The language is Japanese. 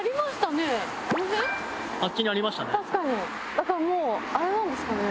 だからもうあれなんですかね？